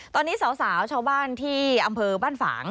ตอนนี้สาวชาวบ้านที่อำเภอบ้านฝาง